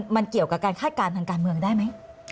มันเกี่ยวกับการคาดการณ์ทางการเมืองได้ไหม